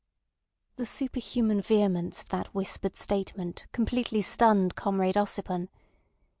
The superhuman vehemence of that whispered statement completely stunned Comrade Ossipon.